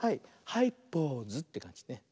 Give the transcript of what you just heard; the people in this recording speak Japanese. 「はいポーズ」ってかんじね。